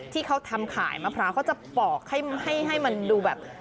ที่เขาทำขายมะพร้าวเขาจะปอกให้มันดูแบบ